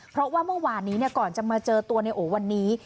เพราะว่าเมื่อวานนี้ก่อนจะมาเจอตัวในโอวันนี้